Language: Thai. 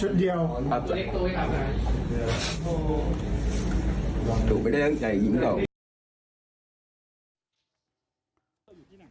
ชุดเดี๋ยวครับ